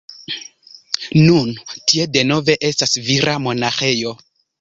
Nun tie denove estas vira monaĥejo.